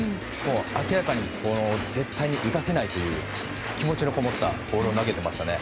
明らかに絶対に打たせないという気持ちのこもったボールを投げていましたね。